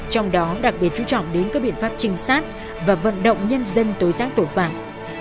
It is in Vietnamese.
trong đó đặc biệt chú trọng đến các biện pháp trinh sát và vận động nhân dân tối giác tội phạm